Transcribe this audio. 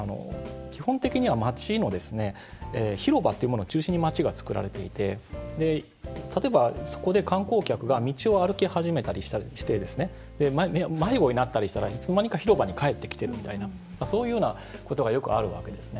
基本的には街の広場というものを中心に、街がつくられていて例えば、そこで観光客が道を歩き始めて迷子になったりしたらいつの間にか広場に帰ってきてとそういうようなことがよくあるわけですね。